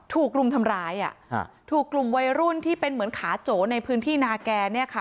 รุมทำร้ายถูกกลุ่มวัยรุ่นที่เป็นเหมือนขาโจในพื้นที่นาแก่เนี่ยค่ะ